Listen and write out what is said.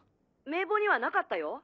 名簿にはなかったよ。